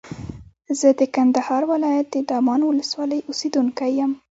زه د کندهار ولایت د دامان ولسوالۍ اوسېدونکی یم.